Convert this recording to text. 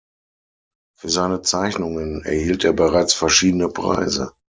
Für seine Zeichnungen erhielt er bereits verschiedene Preise.